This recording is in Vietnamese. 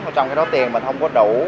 trong cái đó tiền mình không có đủ